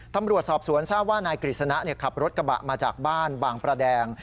ตำรวจสอบสวนทราบว่านายกฤษณะขับรถกระบะมาจากบ้านบางประแดง